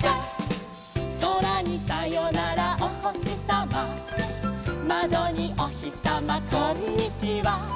「そらにさよならおほしさま」「まどにおひさまこんにちは」